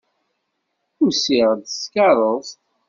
Usiɣ-d s tkeṛṛust.